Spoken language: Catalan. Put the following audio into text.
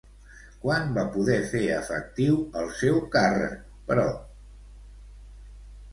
Quan va poder fer efectiu el seu càrrec, però?